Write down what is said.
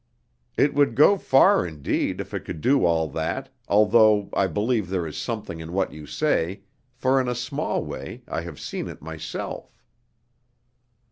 "It would go far indeed if it could do all that, although I believe there is something in what you say, for in a small way I have seen it myself."